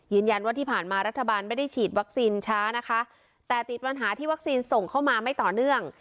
ยืนยันว่าที่ผ่านมารัฐบาลไม่ได้ฉีดวัคซีนช้านะคะแต่ติดปัญหาที่วัคซีนส่งเข้ามาไม่ต่อเนื่อง